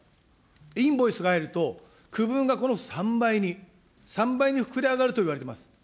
インボイスが入ると、区分がこの３倍に、３倍に膨れ上がるといわれています。